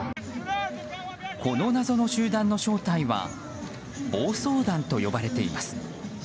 この謎の集団は暴走団と呼ばれています。